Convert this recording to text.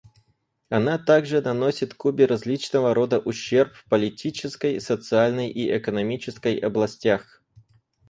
Она также наносит Кубе различного рода ущерб в политической, социальной и экономической областях.